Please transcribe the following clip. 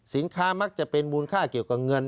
มักจะเป็นมูลค่าเกี่ยวกับเงิน